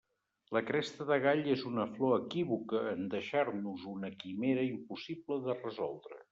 La cresta de gall és una flor equívoca en deixar-nos una quimera impossible de resoldre.